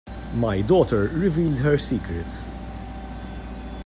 My daughter revealed her secret.